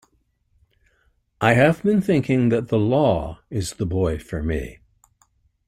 I have been thinking that the law is the boy for me.